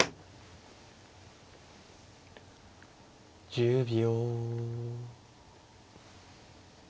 １０秒。